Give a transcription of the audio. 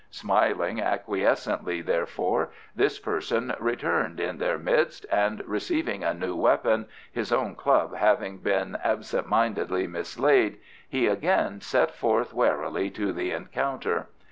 Smiling acquiescently, therefore, this person returned in their midst, and receiving a new weapon, his own club having been absent mindedly mislaid, he again set forth warily to the encounter.